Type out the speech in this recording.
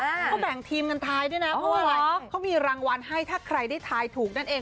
เขาแบ่งทีมกันทายด้วยนะเพราะว่าอะไรเขามีรางวัลให้ถ้าใครได้ทายถูกนั่นเอง